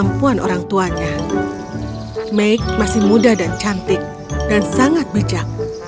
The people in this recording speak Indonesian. meg masih muda dan cantik dan sangat bijak